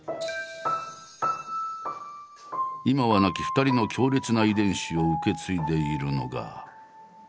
今は亡き２人の強烈な遺伝子を受け継いでいるのが。